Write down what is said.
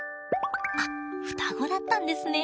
あっ双子だったんですね！